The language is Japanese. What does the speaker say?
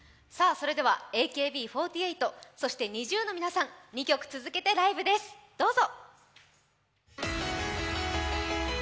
それではＡＫＢ４８、そしてＮｉｚｉＵの皆さん２曲続けてどうぞ。